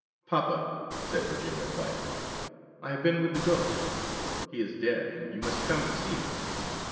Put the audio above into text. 'Papa,' said Virginia quietly, 'I have been with the Ghost. He is dead, and you must come and see him.